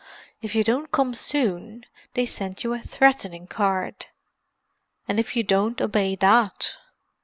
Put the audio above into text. If you don't come soon, they send you a threatening card." "And if you don't obey that?"